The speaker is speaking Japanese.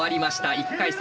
１回戦